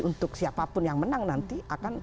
untuk siapapun yang menang nanti akan